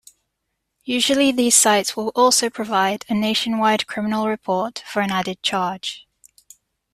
Usually, these sites will also provide a nationwide criminal report for an added charge.